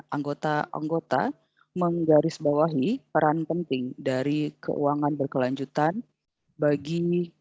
anggota anggota menggarisbawahi peran penting dari keuangan berkelanjutan bagi